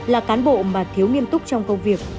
là cán bộ mà thiếu nghiêm túc trong công việc